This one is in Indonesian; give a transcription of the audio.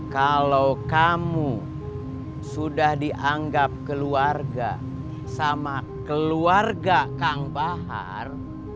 kalau kamu sudah dianggap keluarga sama keluarga kang bahar